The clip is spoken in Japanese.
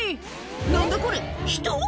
「何だこれ！人⁉」